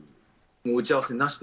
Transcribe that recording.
もう打ち合わせなしで。